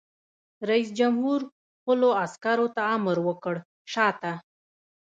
رئیس جمهور خپلو عسکرو ته امر وکړ؛ شاته!